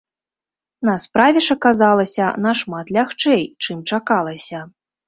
На справе ж аказалася нашмат лягчэй, чым чакалася.